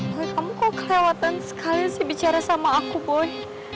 buat kamu kok kelewatan sekali sih bicara sama aku boy